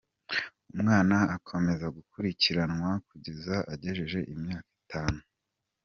Umwana akomeza gukurikiranwa kugeza agejeje imyaka itanu.